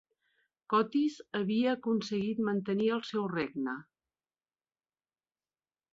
Cotys havia aconseguit mantenir el seu regne.